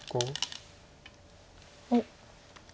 おっ！